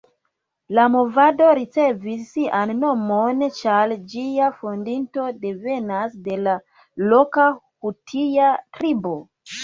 La movado ricevis sian nomon ĉar ĝia fondinto devenas de la loka hutia tribo.